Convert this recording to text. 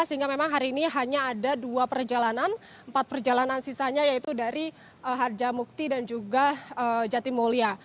sehingga memang hari ini hanya ada dua perjalanan empat perjalanan sisanya yaitu dari harjamukti dan juga jatimulya